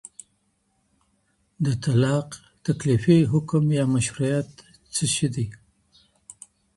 د طلاق تکليفي حکم يا مشروعيت څه سی دی؟